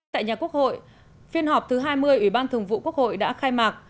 tại nhà quốc hội phiên họp thứ hai mươi ủy ban thường vụ quốc hội đã khai mạc